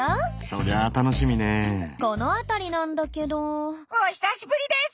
この辺りなんだけど。お久しぶりです！